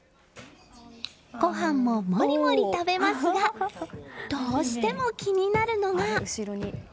ご飯ももりもり食べますがどうしても気になるのが。